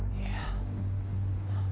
benar benar enak kakabout itu mas